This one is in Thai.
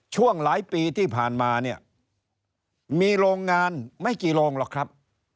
ช่วงหลายปีที่ผ่านมาเนี่ยมีโรงงานไม่กี่โรงหรอกครับ